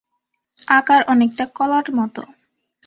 আকার অনেকটা কলার মতো।